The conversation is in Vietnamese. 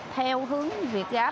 theo hướng việt gap